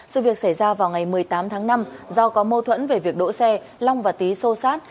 sự việc xảy ra vào ngày một mươi tám tháng năm do có mô thuẫn về việc đỗ xe long và tý sâu sát